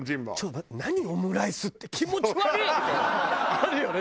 あるよね？